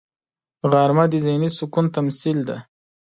غرمه د ذهني سکون تمثیل دی